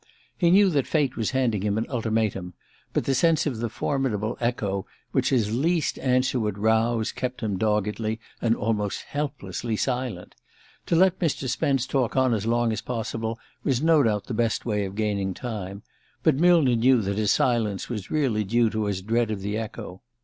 He knew that fate was handing him an ultimatum; but the sense of the formidable echo which his least answer would rouse kept him doggedly, and almost helplessly, silent. To let Mr. Spence talk on as long as possible was no doubt the best way of gaining time; but Millner knew that his silence was really due to his dread of the echo.